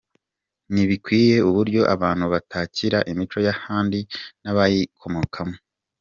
Ntibikwiye uburyo abantu batakira imico y’ahandi n’abayikomokamo.